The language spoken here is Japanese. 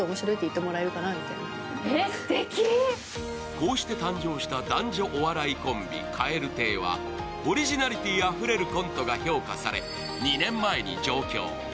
こうして誕生した男女お笑いコンビ、蛙亭はオリジナリティーあふれるコントが評価され、２年前に上京。